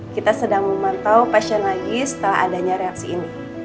kita sedang memantau pasien lagi setelah adanya reaksi ini